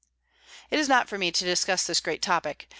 It is not for me to discuss this great topic.